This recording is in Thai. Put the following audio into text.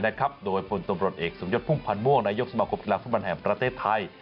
ใครก็อยากจะลงเล่นในแมทนี้